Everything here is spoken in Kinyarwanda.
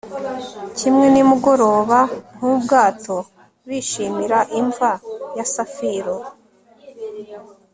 kimwe nimugoroba nk'ubwato bishimira imva ya safiro